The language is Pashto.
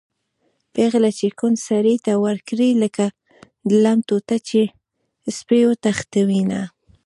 پېغله چې کونډ سړي ته ورکړي-لکه د لم ټوټه چې سپی وتښتوېنه